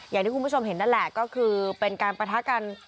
อย่างที่คุณผู้ชมเห็นนั่นแหละก็คือเป็นการปะทะกัน